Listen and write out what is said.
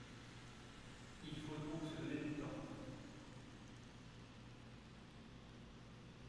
Il faut donc se donner du temps.